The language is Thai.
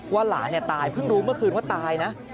หลานตายเพิ่งรู้เมื่อคืนว่าตายนะ